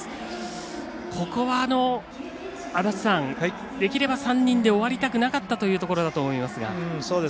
ここは、できれば３人で終わりたくなかったところだと思いますが。